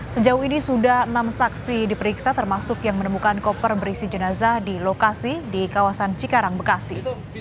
sejauh ini sudah enam saksi diperiksa termasuk yang menemukan koper berisi jenazah di lokasi di kawasan cikarang bekasi